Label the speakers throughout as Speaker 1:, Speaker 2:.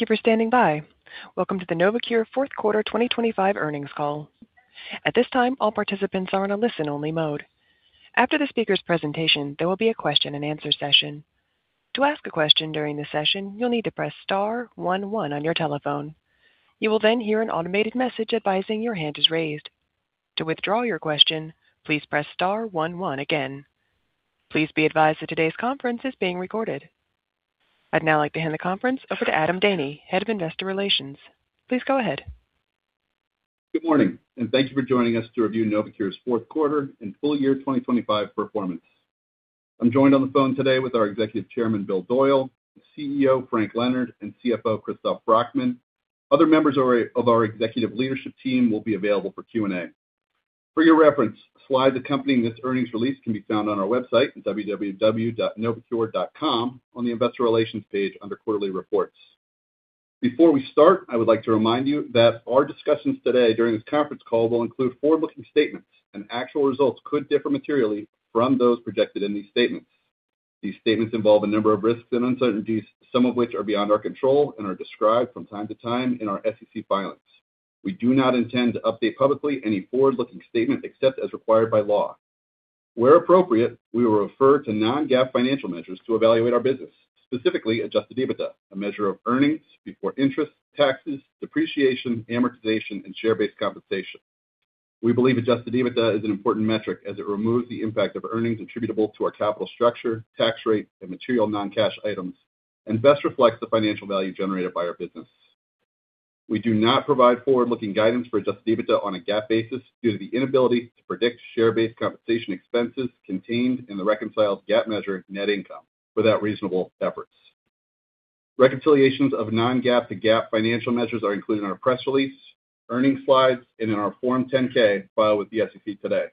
Speaker 1: Thank you for standing by. Welcome to the Novocure Fourth Quarter 2025 Earnings Call. At this time, all participants are on a listen-only mode. After the speaker's presentation, there will be a question-and-answer session. To ask a question during the session, you'll need to press star one one on your telephone. You will then hear an automated message advising your hand is raised. To withdraw your question, please press star one one again. Please be advised that today's conference is being recorded. I'd now like to hand the conference over to Adam Daney, Head of Investor Relations. Please go ahead.
Speaker 2: Good morning. Thank you for joining us to review Novocure's fourth quarter and full year 2025 performance. I'm joined on the phone today with our Executive Chairman, Bill Doyle, CEO, Asaf Danziger, and CFO, Christoph Brackmann. Other members of our executive leadership team will be available for Q&A. For your reference, slides accompanying this earnings release can be found on our website at www.novocure.com on the Investor Relations page under Quarterly Reports. Before we start, I would like to remind you that our discussions today during this conference call will include forward-looking statements. Actual results could differ materially from those projected in these statements. These statements involve a number of risks and uncertainties, some of which are beyond our control and are described from time to time in our SEC filings. We do not intend to update publicly any forward-looking statement except as required by law. Where appropriate, we will refer to non-GAAP financial measures to evaluate our business, specifically adjusted EBITDA, a measure of earnings before interest, taxes, depreciation, amortization, and share-based compensation. We believe adjusted EBITDA is an important metric as it removes the impact of earnings attributable to our capital structure, tax rate, and material non-cash items, and best reflects the financial value generated by our business. We do not provide forward-looking guidance for adjusted EBITDA on a GAAP basis due to the inability to predict share-based compensation expenses contained in the reconciled GAAP measure net income without reasonable efforts. Reconciliations of non-GAAP to GAAP financial measures are included in our press release, earnings slides, and in our Form 10-K filed with the SEC today.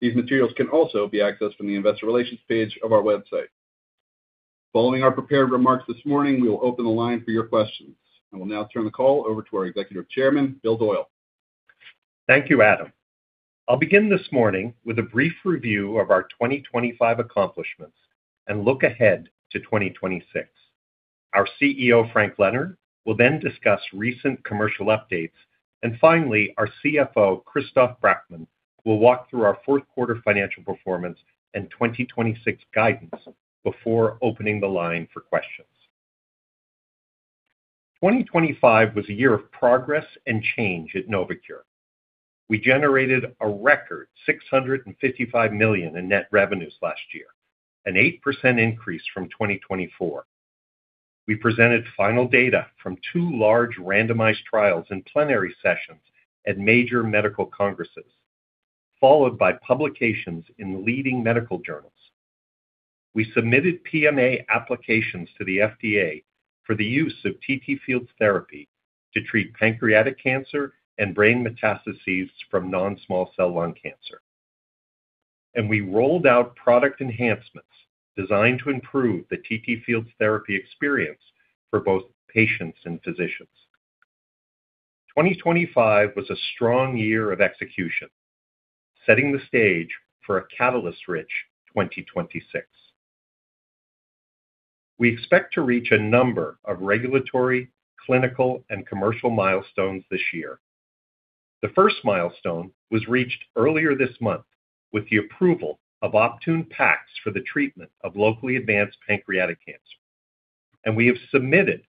Speaker 2: These materials can also be accessed from the Investor Relations page of our website. Following our prepared remarks this morning, we will open the line for your questions. I will now turn the call over to our Executive Chairman, Bill Doyle.
Speaker 3: Thank you, Ingrid. I'll begin this morning with a brief review of our 2025 accomplishments and look ahead to 2026. Our CEO, Frank Leonard, will then discuss recent commercial updates. Finally, our CFO, Christoph Brackmann, will walk through our fourth quarter financial performance and 2026 guidance before opening the line for questions. 2025 was a year of progress and change at Novocure. We generated a record $655 million in net revenues last year, an 8% increase from 2024. We presented final data from two large randomized trials in plenary sessions at major medical congresses, followed by publications in leading medical journals. We submitted PMA applications to the FDA for the use of TTFields therapy to treat pancreatic cancer and brain metastases from non-small cell lung cancer. We rolled out product enhancements designed to improve the TTFields therapy experience for both patients and physicians. 2025 was a strong year of execution, setting the stage for a catalyst-rich 2026. We expect to reach a number of regulatory, clinical, and commercial milestones this year. The first milestone was reached earlier this month with the approval of Optune Lua for the treatment of locally advanced pancreatic cancer, and we have submitted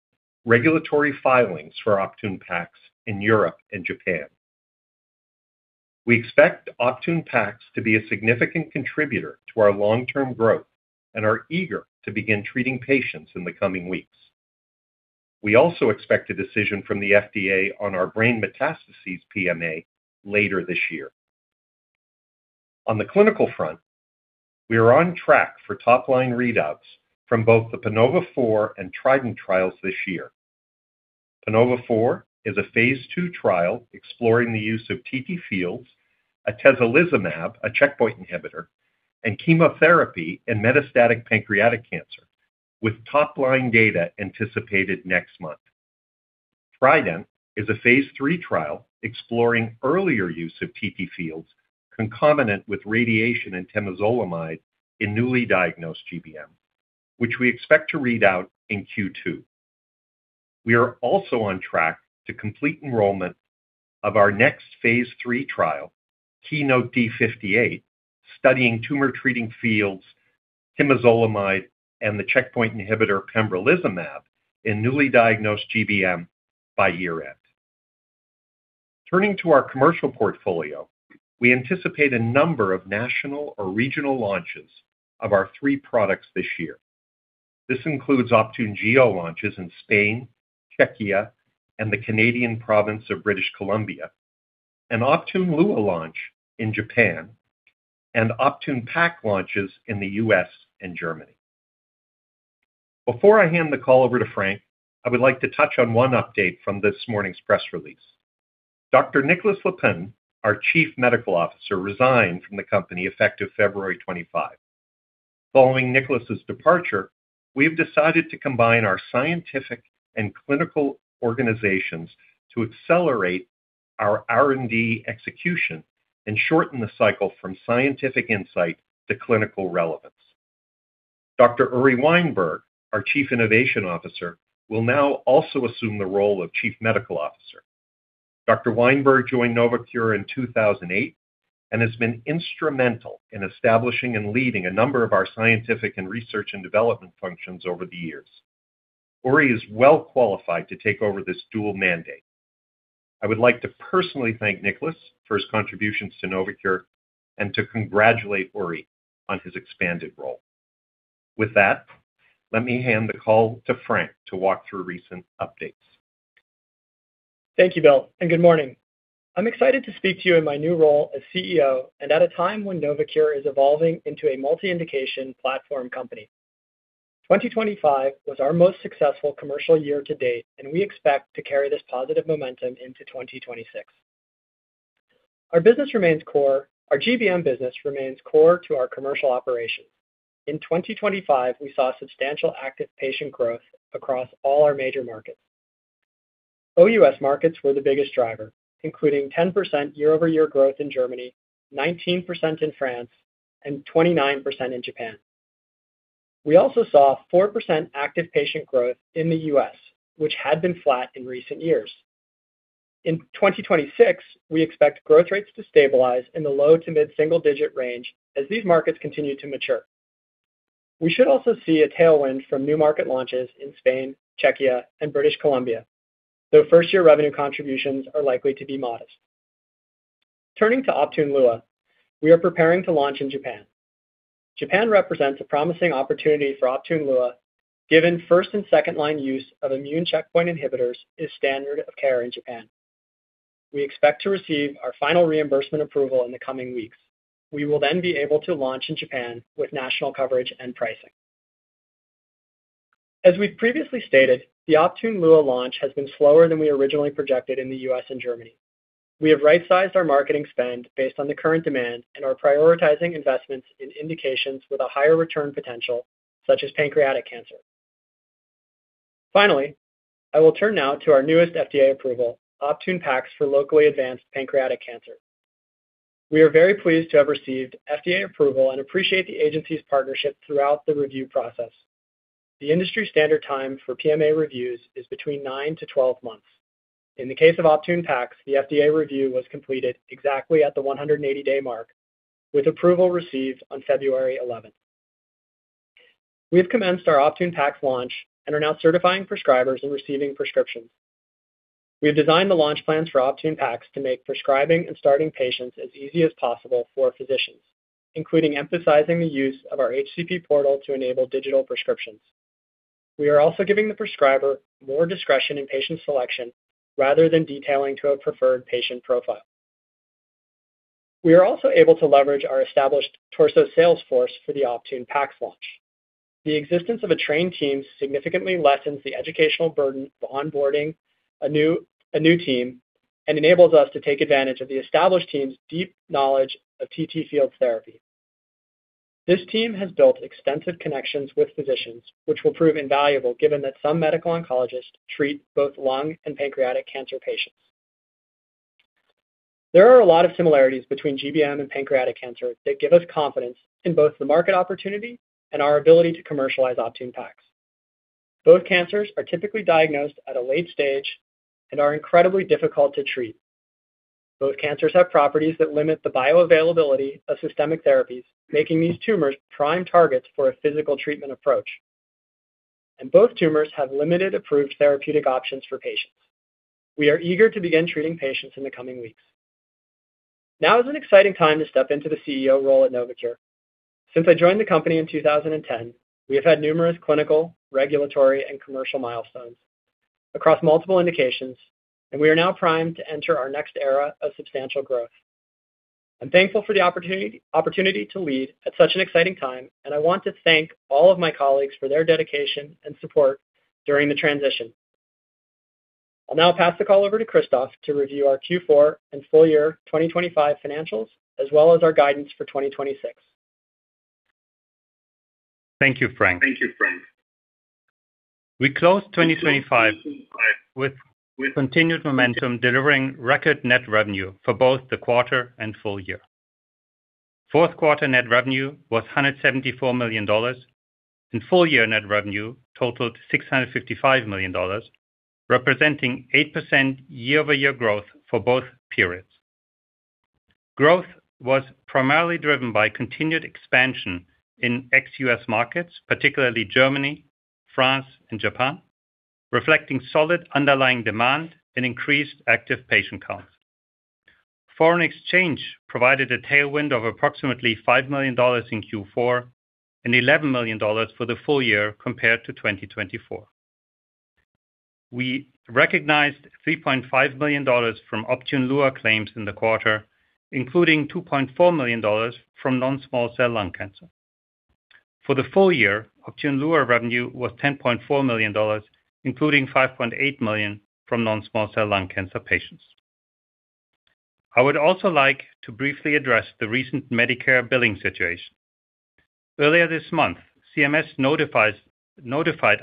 Speaker 3: regulatory filings for Optune Lua in Europe and Japan. We expect Optune Lua to be a significant contributor to our long-term growth and are eager to begin treating patients in the coming weeks. We also expect a decision from the FDA on our brain metastases PMA later this year. On the clinical front, we are on track for top-line readouts from both the PANOVA-4 and TRIDENT trials this year. PANOVA-4 is a phase 2 trial exploring the use of TTFields, atezolizumab, a checkpoint inhibitor, and chemotherapy in metastatic pancreatic cancer, with top-line data anticipated next month. TRIDENT is a phase 3 trial exploring earlier use of TTFields concomitant with radiation and temozolomide in newly diagnosed GBM, which we expect to read out in Q2. We are also on track to complete enrollment of our next phase 3 trial, KEYNOTE-B58, studying Tumor Treating Fields, temozolomide, and the checkpoint inhibitor pembrolizumab in newly diagnosed GBM by year-end. Turning to our commercial portfolio, we anticipate a number of national or regional launches of our 3 products this year. This includes Optune launches in Spain, Czechia, and the Canadian province of British Columbia, an Optune Lua launch in Japan, and Optune Pax launches in the U.S. and Germany. Before I hand the call over to Frank, I would like to touch on one update from this morning's press release. Dr. Nicolas Leupin, our Chief Medical Officer, resigned from the company effective February 25. Following Nicolas's departure, we have decided to combine our scientific and clinical organizations to accelerate our R&D execution and shorten the cycle from scientific insight to clinical relevance. Dr. Uri Weinberg, our Chief Innovation Officer, will now also assume the role of Chief Medical Officer. Dr. Weinberg joined Novocure in 2008, and has been instrumental in establishing and leading a number of our scientific and research and development functions over the years. Uri is well qualified to take over this dual mandate. I would like to personally thank Nicolas for his contributions to Novocure, and to congratulate Uri on his expanded role. With that, let me hand the call to Frank to walk through recent updates.
Speaker 4: Thank you, Bill. Good morning. I'm excited to speak to you in my new role as CEO. At a time when Novocure is evolving into a multi-indication platform company. 2025 was our most successful commercial year to date. We expect to carry this positive momentum into 2026. Our GBM business remains core to our commercial operations. In 2025, we saw substantial active patient growth across all our major markets. OUS markets were the biggest driver, including 10% year-over-year growth in Germany, 19% in France. 29% in Japan. We also saw 4% active patient growth in the U.S., which had been flat in recent years. In 2026, we expect growth rates to stabilize in the low to mid-single digit range as these markets continue to mature. We should also see a tailwind from new market launches in Spain, Czechia, and British Columbia, though first-year revenue contributions are likely to be modest. Turning to Optune Lua, we are preparing to launch in Japan. Japan represents a promising opportunity for Optune Lua, given first and second-line use of immune checkpoint inhibitors is standard of care in Japan. We expect to receive our final reimbursement approval in the coming weeks. We will be able to launch in Japan with national coverage and pricing. As we've previously stated, the Optune Lua launch has been slower than we originally projected in the U.S. and Germany. We have right-sized our marketing spend based on the current demand and are prioritizing investments in indications with a higher return potential, such as pancreatic cancer. Finally, I will turn now to our newest FDA approval, Optune PAX, for locally advanced pancreatic cancer. We are very pleased to have received FDA approval and appreciate the agency's partnership throughout the review process. The industry standard time for PMA reviews is between 9-12 months. In the case of Optune Pax, the FDA review was completed exactly at the 180-day mark, with approval received on February 11th. We have commenced our Optune Pax launch and are now certifying prescribers and receiving prescriptions. We have designed the launch plans for Optune Pax to make prescribing and starting patients as easy as possible for physicians, including emphasizing the use of our HCP portal to enable digital prescriptions. We are also giving the prescriber more discretion in patient selection rather than detailing to a preferred patient profile. We are also able to leverage our established torso sales force for the Optune Pax launch. The existence of a trained team significantly lessens the educational burden for onboarding a new team and enables us to take advantage of the established team's deep knowledge of TTFields therapy. This team has built extensive connections with physicians, which will prove invaluable given that some medical oncologists treat both lung and pancreatic cancer patients. There are a lot of similarities between GBM and pancreatic cancer that give us confidence in both the market opportunity and our ability to commercialize Optune Pax. Both cancers are typically diagnosed at a late stage and are incredibly difficult to treat. Both cancers have properties that limit the bioavailability of systemic therapies, making these tumors prime targets for a physical treatment approach. Both tumors have limited approved therapeutic options for patients. We are eager to begin treating patients in the coming weeks. Now is an exciting time to step into the CEO role at Novocure. Since I joined the company in 2010, we have had numerous clinical, regulatory, and commercial milestones across multiple indications, and we are now primed to enter our next era of substantial growth. I'm thankful for the opportunity to lead at such an exciting time, and I want to thank all of my colleagues for their dedication and support during the transition. I'll now pass the call over to Christoph to review our Q4 and full year 2025 financials, as well as our guidance for 2026.
Speaker 5: Thank you, Frank. Thank you, Frank. We closed 2025 with continued momentum, delivering record net revenue for both the quarter and full year. Fourth quarter net revenue was $174 million, and full-year net revenue totaled $655 million, representing 8% year-over-year growth for both periods. Growth was primarily driven by continued expansion in ex-U.S. markets, particularly Germany, France, and Japan, reflecting solid underlying demand and increased active patient counts. Foreign exchange provided a tailwind of approximately $5 million in Q4 and $11 million for the full year compared to 2024. We recognized $3.5 million from Optune Lua claims in the quarter, including $2.4 million from non-small cell lung cancer. For the full year, Optune Lua revenue was $10.4 million, including $5.8 million from non-small cell lung cancer patients. I would also like to briefly address the recent Medicare billing situation. Earlier this month, CMS notified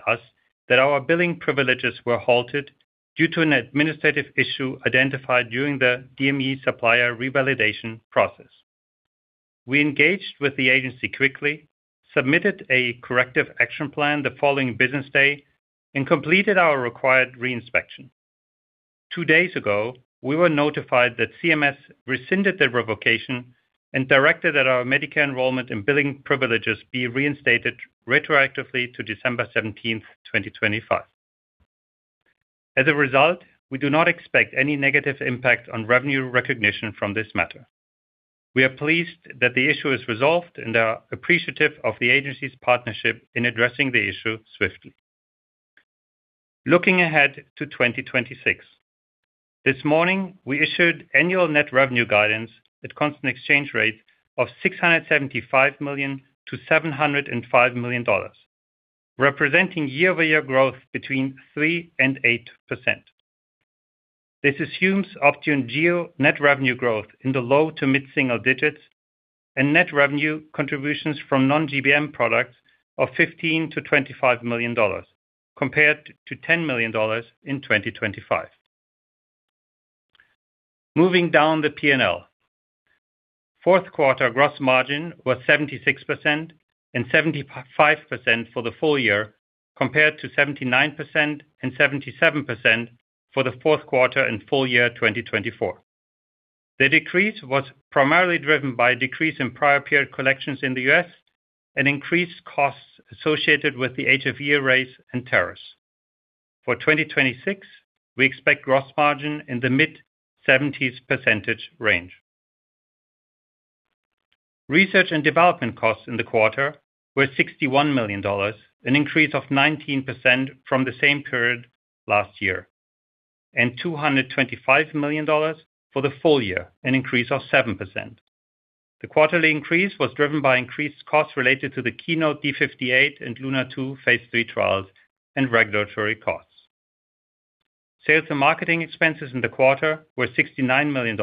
Speaker 5: us that our billing privileges were halted due to an administrative issue identified during the DME supplier revalidation process. We engaged with the agency quickly, submitted a corrective action plan the following business day, and completed our required re-inspection. Two days ago, we were notified that CMS rescinded the revocation and directed that our Medicare enrollment and billing privileges be reinstated retroactively to December 17th, 2025. As a result, we do not expect any negative impact on revenue recognition from this matter. We are pleased that the issue is resolved and are appreciative of the agency's partnership in addressing the issue swiftly. Looking ahead to 2026, this morning, we issued annual net revenue guidance at constant exchange rates of $675 million-$705 million, representing year-over-year growth between 3% and 8%. This assumes Optune Gio net revenue growth in the low to mid-single digits and net revenue contributions from non-GBM products of $15 million-$25 million, compared to $10 million in 2025. Moving down the P&L. Fourth quarter gross margin was 76% and 75% for the full year, compared to 79% and 77% for the fourth quarter and full year 2024. The decrease was primarily driven by a decrease in prior period collections in the US and increased costs associated with the HFE array and tariffs. For 2026, we expect gross margin in the mid-70s percentage range. Research and development costs in the quarter were $61 million, an increase of 19% from the same period last year, and $225 million for the full year, an increase of 7%. The quarterly increase was driven by increased costs related to the KEYNOTE-D58 and LUNAR-2 phase 3 trials and regulatory costs. Sales and marketing expenses in the quarter were $69 million,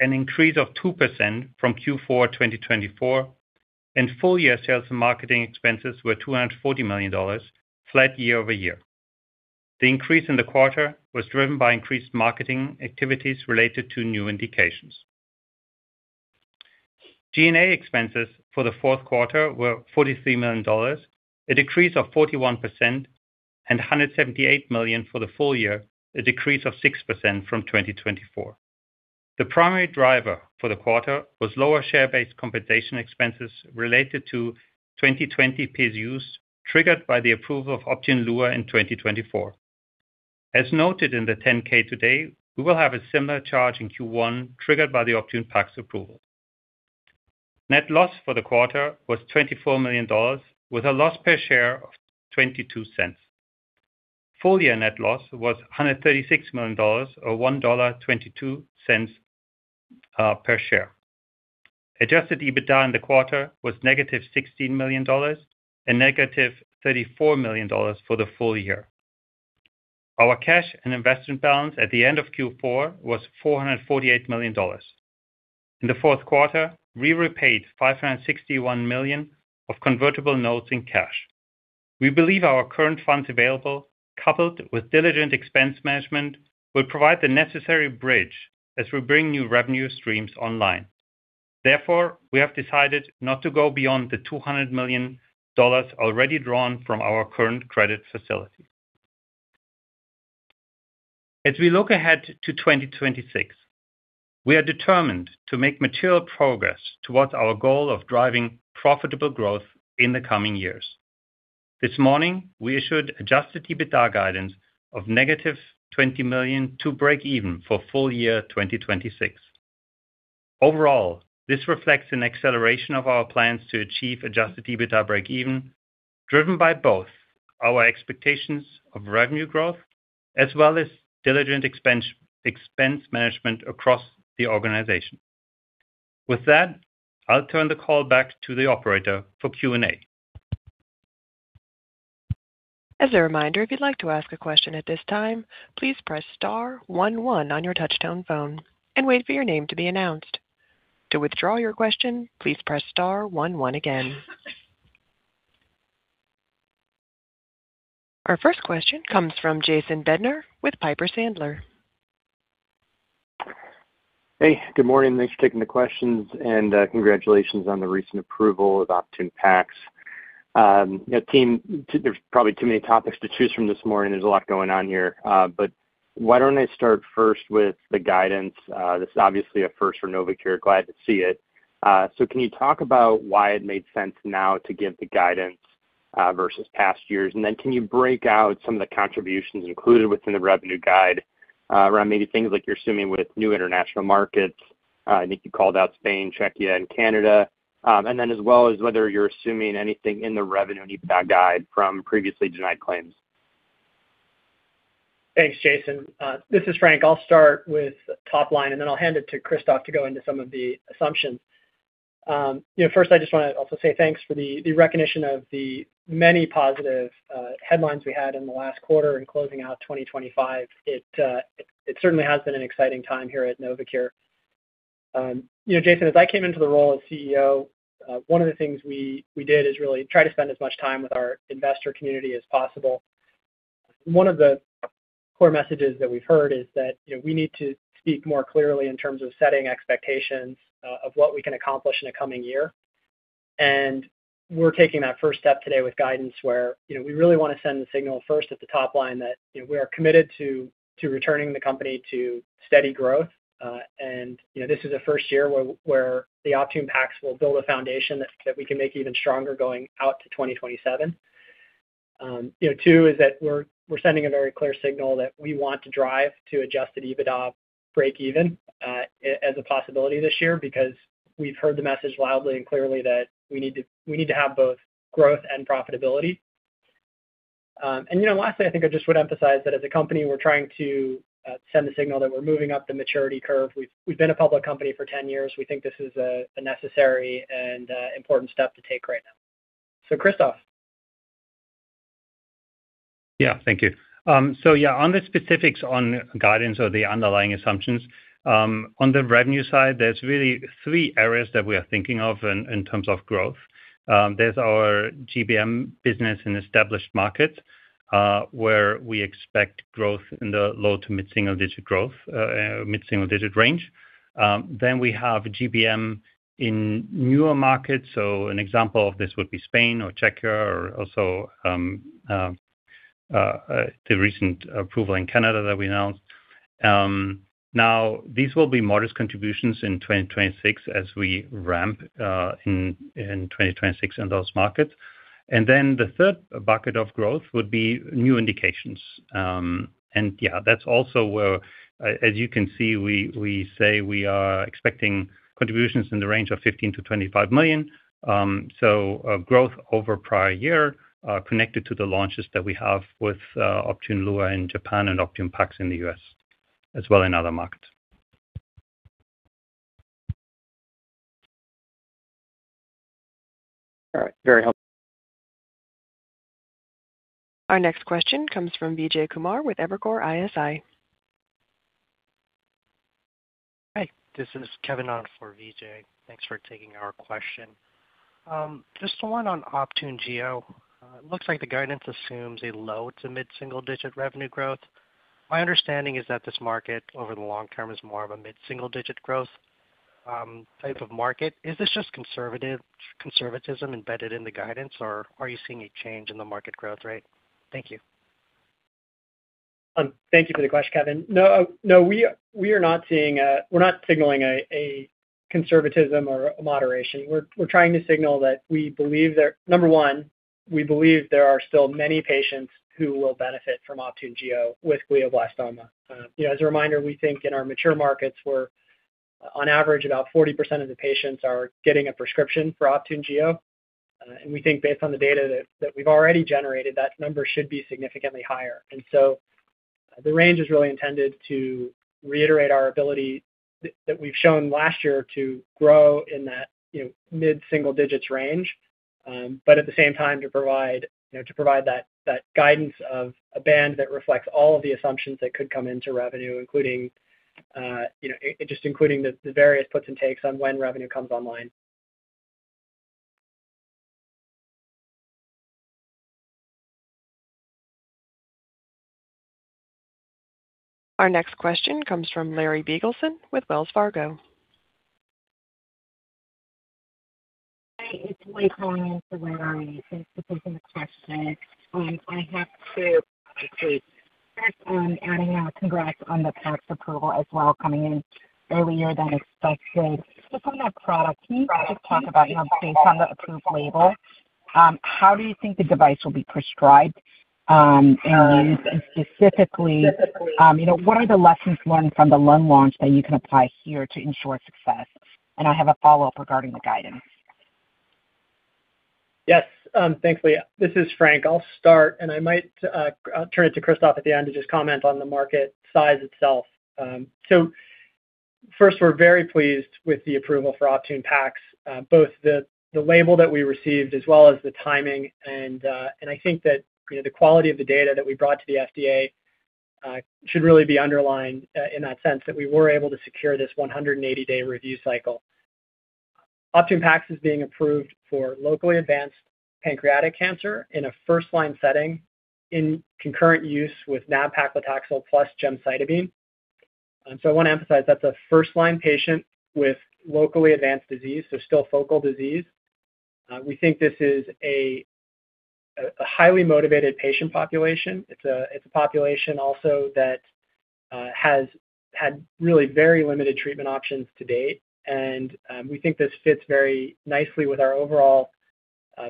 Speaker 5: an increase of 2% from Q4 2024, and full-year sales and marketing expenses were $240 million, flat year-over-year. The increase in the quarter was driven by increased marketing activities related to new indications. G&A expenses for the fourth quarter were $43 million, a decrease of 41%, and $178 million for the full year, a decrease of 6% from 2024. The primary driver for the quarter was lower share-based compensation expenses related to 2020 PSUs, triggered by the approval of Optune Lua in 2024. As noted in the 10-K today, we will have a similar charge in Q1, triggered by the Optune Pax approval. Net loss for the quarter was $24 million, with a loss per share of $0.22. Full-year net loss was $136 million, or $1.22 per share. Adjusted EBITDA in the quarter was negative $16 million and negative $34 million for the full year. Our cash and investment balance at the end of Q4 was $448 million. In the fourth quarter, we repaid $561 million of convertible notes in cash. We believe our current funds available, coupled with diligent expense management, will provide the necessary bridge as we bring new revenue streams online. We have decided not to go beyond the $200 million already drawn from our current credit facility. As we look ahead to 2026, we are determined to make material progress towards our goal of driving profitable growth in the coming years. This morning, we issued adjusted EBITDA guidance of -$20 million to break even for full year 2026. This reflects an acceleration of our plans to achieve adjusted EBITDA break even, driven by both our expectations of revenue growth as well as diligent expense management across the organization. With that, I'll turn the call back to the operator for Q&A.
Speaker 1: As a reminder, if you'd like to ask a question at this time, please press star one one on your touchtone phone and wait for your name to be announced. To withdraw your question, please press star one one again. Our first question comes from Jason Bednar with Piper Sandler.
Speaker 6: Hey, good morning. Thanks for taking the questions. Congratulations on the recent approval of Optune Pax. You know, team, there's probably too many topics to choose from this morning. There's a lot going on here. Why don't I start first with the guidance? This is obviously a first for Novocure. Glad to see it. So can you talk about why it made sense now to give the guidance versus past years? Then can you break out some of the contributions included within the revenue guide around maybe things like you're assuming with new international markets? I think you called out Spain, Czechia, and Canada. Then as well as whether you're assuming anything in the revenue and EBITDA guide from previously denied claims.
Speaker 4: Thanks, Jason. This is Frank. I'll start with top line, and then I'll hand it to Christoph to go into some of the assumptions. You know, first, I just want to also say thanks for the recognition of the many positive headlines we had in the last quarter in closing out 2025. It certainly has been an exciting time here at Novocure. You know, Jason, as I came into the role as CEO, one of the things we did is really try to spend as much time with our investor community as possible. One of the core messages that we've heard is that, you know, we need to speak more clearly in terms of setting expectations of what we can accomplish in the coming year. We're taking that first step today with guidance where, you know, we really want to send the signal first at the top line, that, you know, we are committed to returning the company to steady growth. You know, this is a first year where the Optune Pax will build a foundation that we can make even stronger going out to 2027. You know, two is that we're sending a very clear signal that we want to drive to adjusted EBITDA break even as a possibility this year, because we've heard the message loudly and clearly that we need to have both growth and profitability. you know, lastly, I think I just would emphasize that as a company, we're trying to send the signal that we're moving up the maturity curve. We've been a public company for 10 years. We think this is a necessary and important step to take right now. Christoph?
Speaker 5: Yeah. Thank you. On the specifics, on guidance or the underlying assumptions, on the revenue side, there's really three areas that we are thinking of in terms of growth. There's our GBM business in established markets, where we expect growth in the low to mid single-digit growth, mid single-digit range. We have GBM in newer markets. An example of this would be Spain or Czechia or also the recent approval in Canada that we announced. These will be modest contributions in 2026 as we ramp in 2026 in those markets. The third bucket of growth would be new indications. That's also where, as you can see, we say we are expecting contributions in the range of $15 million-$25 million. Growth over prior year, connected to the launches that we have with Optune Lua in Japan and Optune Pax in the U.S., as well in other markets.
Speaker 6: All right. Very helpful.
Speaker 1: Our next question comes from Vijay Kumar with Evercore ISI.
Speaker 7: Hi, this is Kevin on for Vijay. Thanks for taking our question. Just the one on Optune Gio. It looks like the guidance assumes a low to mid-single digit revenue growth. My understanding is that this market, over the long term, is more of a mid-single digit growth, type of market. Is this just conservatism embedded in the guidance, or are you seeing a change in the market growth rate? Thank you.
Speaker 4: Thank you for the question, Kevin. No, no, we are not seeing we're not signaling a conservatism or moderation. We're, we're trying to signal that we believe there Number one, we believe there are still many patients who will benefit from Optune Gio with glioblastoma. You know, as a reminder, we think in our mature markets, where on average, about 40% of the patients are getting a prescription for Optune Gio. We think based on the data that we've already generated, that number should be significantly higher. The range is really intended to reiterate our ability that we've shown last year to grow in that, you know, mid-single digits range. At the same time, to provide, you know, that guidance of a band that reflects all of the assumptions that could come into revenue, including, you know, just including the various puts and takes on when revenue comes online.
Speaker 1: Our next question comes from Larry Biegelsen with Wells Fargo.
Speaker 8: Hi, it's Lee calling in for Larry. Thanks for taking the question. I have two, actually. First, adding our congrats on the PAX approval as well, coming in earlier than expected. Just on that product, can you just talk about, you know, based on the approved label, how do you think the device will be prescribed? Specifically, you know, what are the lessons learned from the lung launch that you can apply here to ensure success? I have a follow-up regarding the guidance.
Speaker 4: Yes, thanks, Lee. This is Frank. I'll start, and I might turn it to Christoph at the end to just comment on the market size itself. So first, we're very pleased with the approval for Optune Pax, both the label that we received as well as the timing. I think that, you know, the quality of the data that we brought to the FDA should really be underlined in that sense that we were able to secure this 180-day review cycle. Optune Pax is being approved for locally advanced pancreatic cancer in a first-line setting, in concurrent use with nab-paclitaxel plus gemcitabine. I want to emphasize that's a first-line patient with locally advanced disease, so still focal disease. We think this is a highly motivated patient population. It's a population also that has had really very limited treatment options to date. We think this fits very nicely with our overall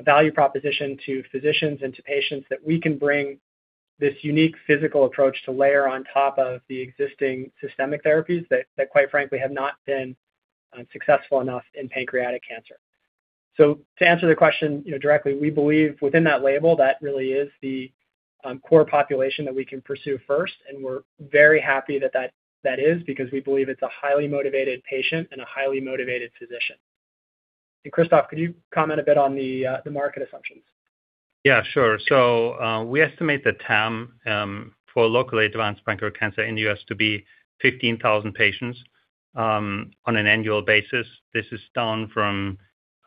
Speaker 4: value proposition to physicians and to patients, that we can bring this unique physical approach to layer on top of the existing systemic therapies that, quite frankly, have not been successful enough in pancreatic cancer. To answer the question, you know, directly, we believe within that label, that really is the core population that we can pursue first, and we're very happy that that is because we believe it's a highly motivated patient and a highly motivated physician. Christoph, could you comment a bit on the market assumptions?
Speaker 5: Yeah, sure. We estimate the TAM for locally advanced pancreatic cancer in the U.S. to be 15,000 patients on an annual basis. This is down from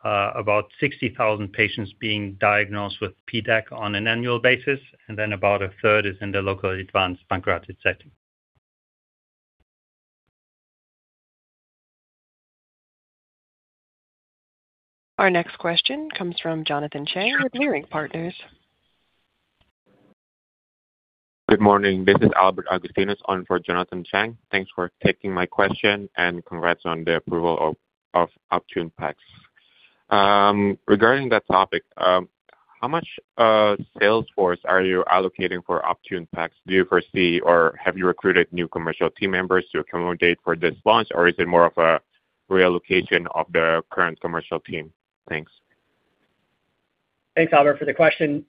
Speaker 5: about 60,000 patients being diagnosed with PDAC on an annual basis, and then about a third is in the locally advanced pancreatic setting.
Speaker 1: Our next question comes from Jonathan Chang with Leerink Partners.
Speaker 9: Good morning. This is Albert Agustinus on for Jonathan Chang. Congrats on the approval of Optune Pax. Regarding that topic, how much sales force are you allocating for Optune Pax? Do you foresee or have you recruited new commercial team members to accommodate for this launch, or is it more of a reallocation of the current commercial team? Thanks.
Speaker 4: Thanks, Albert, for the question.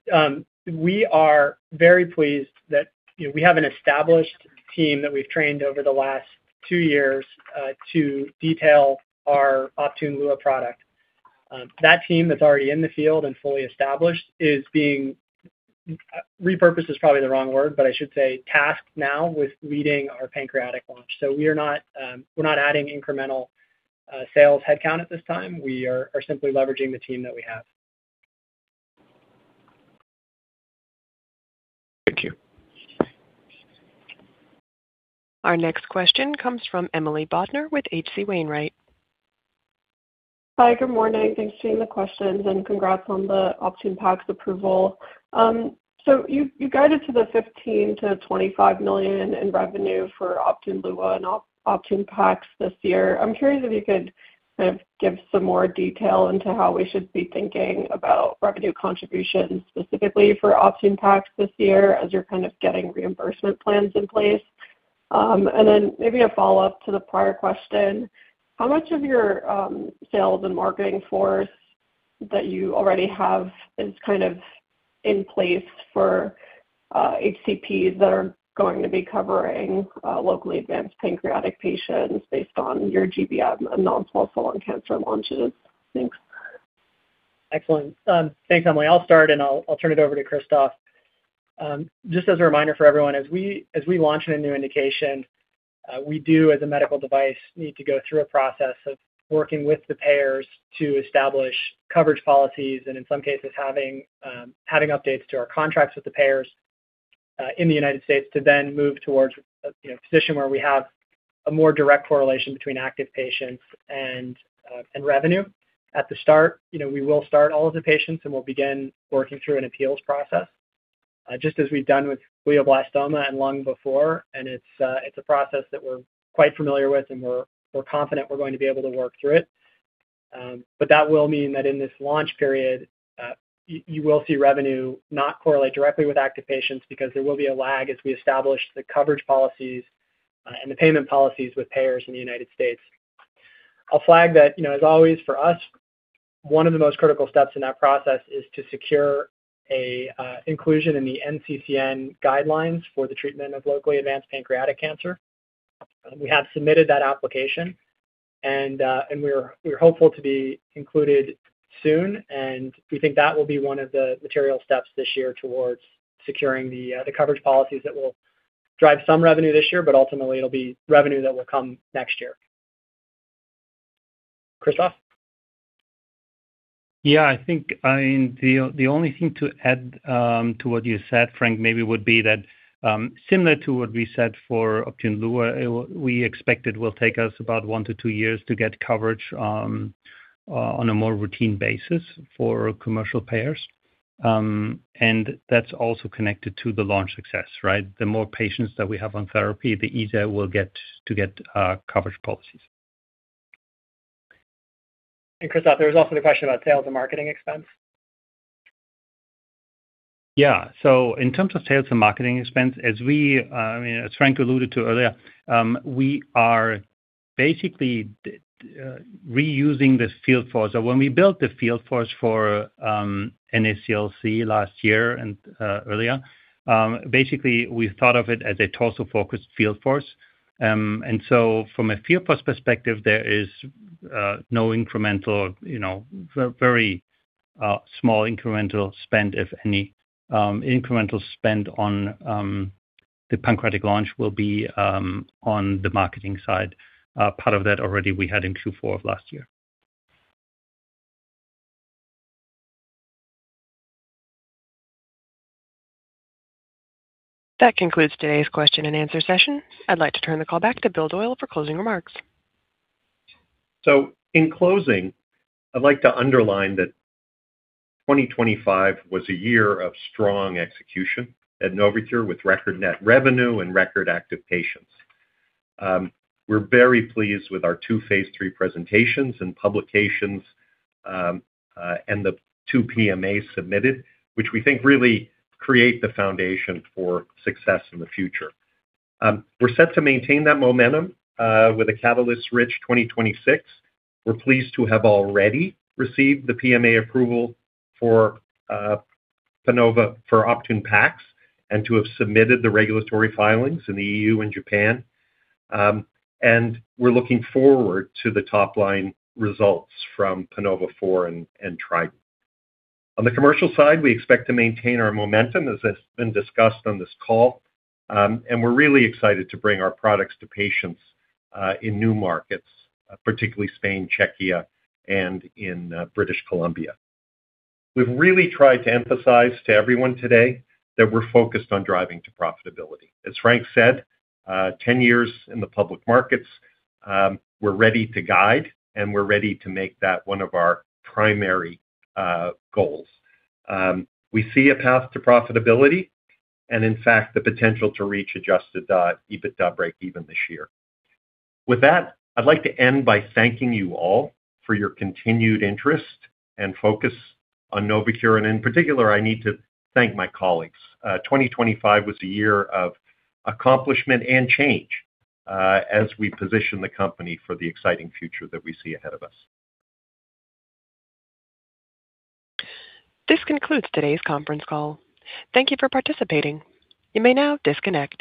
Speaker 4: We are very pleased that, you know, we have an established team that we've trained over the last two years, to detail our Optune Lua product. That team that's already in the field and fully established is being repurposed is probably the wrong word, but I should say, tasked now with leading our pancreatic launch. We're not adding incremental sales headcount at this time. We are simply leveraging the team that we have.
Speaker 9: Thank you.
Speaker 1: Our next question comes from Emily Bodnar with H.C. Wainwright.
Speaker 10: Hi, good morning. Thanks for taking the questions, and congrats on the Optune Pax approval. You guided to the $15 million to $25 million in revenue for Optune Lua and Optune Pax this year. I'm curious if you could kind of give some more detail into how we should be thinking about revenue contributions, specifically for Optune Pax this year, as you're kind of getting reimbursement plans in place. Then maybe a follow-up to the prior question: How much of your sales and marketing force that you already have is kind of in place for HCPs that are going to be covering locally advanced pancreatic patients based on your GBM and non-small cell lung cancer launches? Thanks.
Speaker 4: Excellent. Thanks, Emily. I'll start, and I'll turn it over to Christoph. Just as a reminder for everyone, as we launch a new indication, we do, as a medical device, need to go through a process of working with the payers to establish coverage policies and in some cases, having updates to our contracts with the payers, in the United States to then move towards a, you know, position where we have a more direct correlation between active patients and revenue. At the start, you know, we will start all of the patients, and we'll begin working through an appeals process, just as we've done with glioblastoma and lung before, and it's a process that we're quite familiar with, and we're confident we're going to be able to work through it. That will mean that in this launch period, you will see revenue not correlate directly with active patients because there will be a lag as we establish the coverage policies and the payment policies with payers in the United States. I'll flag that, you know, as always, for us, one of the most critical steps in that process is to secure a inclusion in the NCCN guidelines for the treatment of locally advanced pancreatic cancer. We have submitted that application, we're hopeful to be included soon, and we think that will be one of the material steps this year towards securing the coverage policies that will drive some revenue this year, but ultimately it'll be revenue that will come next year. Christoph?
Speaker 5: Yeah, I think, the only thing to add to what you said, Frank, maybe would be that similar to what we said for Optune Lua, we expect it will take us about 1-2 years to get coverage on a more routine basis for commercial payers. That's also connected to the launch success, right? The more patients that we have on therapy, the easier we'll get to get coverage policies.
Speaker 4: Christoph, there was also the question about sales and marketing expense.
Speaker 5: In terms of sales and marketing expense, as I mean, as Frank alluded to earlier, we are basically reusing this field force. When we built the field force for NSCLC last year and earlier, basically, we thought of it as a torso-focused field force. From a field force perspective, there is no incremental, you know, very small incremental spend, if any. Incremental spend on the pancreatic launch will be on the marketing side. Part of that already we had in Q4 of last year.
Speaker 1: That concludes today's question and answer session. I'd like to turn the call back to Bill Doyle for closing remarks.
Speaker 3: In closing, I'd like to underline that 2025 was a year of strong execution at Novocure, with record net revenue and record active patients. We're very pleased with our 2 Phase 3 presentations and publications, and the 2 PMAs submitted, which we think really create the foundation for success in the future. We're set to maintain that momentum, with a catalyst-rich 2026. We're pleased to have already received the PMA approval for PANOVA-3 for Optune Pax and to have submitted the regulatory filings in the EU and Japan. We're looking forward to the top-line results from PANOVA-4 and TRIDENT. On the commercial side, we expect to maintain our momentum, as has been discussed on this call, and we're really excited to bring our products to patients in new markets, particularly Spain, Czechia, and in British Columbia. We've really tried to emphasize to everyone today that we're focused on driving to profitability. As Frank said, 10 years in the public markets, we're ready to guide, and we're ready to make that one of our primary goals. We see a path to profitability and in fact, the potential to reach adjusted EBITDA breakeven this year. With that, I'd like to end by thanking you all for your continued interest and focus on Novocure, and in particular, I need to thank my colleagues. 2025 was a year of accomplishment and change, as we position the company for the exciting future that we see ahead of us.
Speaker 1: This concludes today's conference call. Thank you for participating. You may now disconnect.